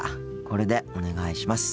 これでお願いします。